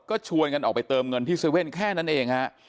ก็ชวนกันออกไปเติมเงินที่๗๑๑แค่นั้นเองฮะ